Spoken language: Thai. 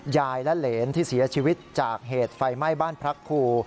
ยายและเหรนที่เสียชีวิตจากเหตุไฟไหม้บ้านพระครู